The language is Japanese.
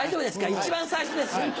一番最初ですよ。